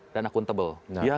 dan akun tebal